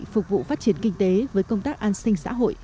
phục vụ phát triển kinh tế với công tác an sinh xã hội